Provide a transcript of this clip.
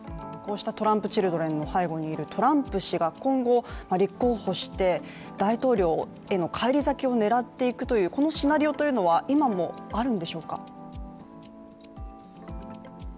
トランプチルドレンの背後にいるトランプ氏が今後、立候補して大統領への返り咲きを狙っていくというこのシナリオは今もあるんでしょうか？